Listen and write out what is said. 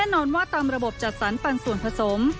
แน่นอนว่าตามระบบจัดสรรปันส่วนผสม